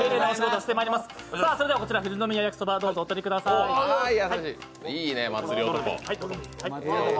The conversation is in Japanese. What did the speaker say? では、こちら富士宮やきそばどうぞお取りください。